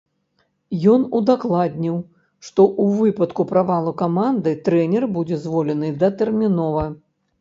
Ён удакладніў, што ў выпадку правалу каманды трэнер будзе звольнены датэрмінова.